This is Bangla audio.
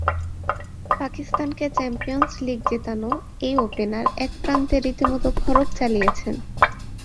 পাকিস্তানকে চ্যাম্পিয়নস লিগ জেতানো এই ওপেনার এক প্রান্তে রীতিমতো খড়্গ চালিয়েছেন।